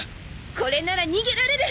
これなら逃げられる！